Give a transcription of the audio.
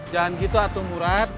jangan gitu atung murad